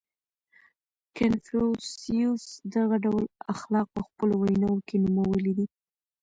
• کنفوسیوس دغه ډول اخلاق په خپلو ویناوو کې نومولي دي.